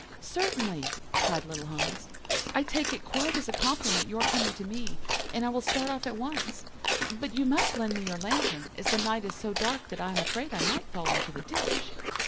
"'Certainly,' cried little Hans, 'I take it quite as a compliment your coming to me, and I will start off at once. But you must lend me your lantern, as the night is so dark that I am afraid I might fall into the ditch.